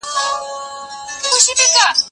زه چای نه تياروم،